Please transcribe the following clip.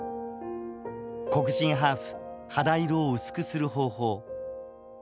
「黒人ハーフ肌色を薄くする方法」。